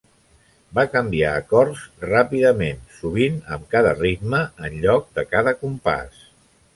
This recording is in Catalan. Va canviar acords ràpidament, sovint amb cada ritme, en lloc de cada compàs.